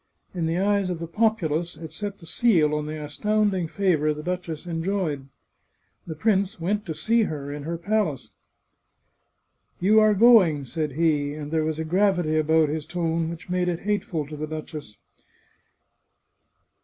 In the eyes of the populace, it set the seal on the astounding favour the duchess enjoyed. The prince went to see her in her palace. " You are going !" said he, and there was a gfravity about his tone which made it hateful to the duchess.